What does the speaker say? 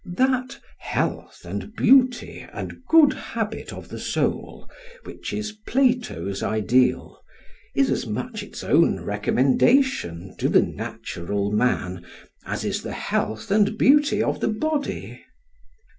That "health and beauty and good habit of the soul," which is Plato's ideal, is as much its own recommendation tion to the natural man as is the health and beauty of the body.